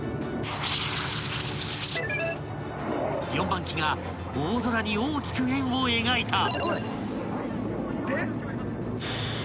［４番機が大空に大きく円を描いた］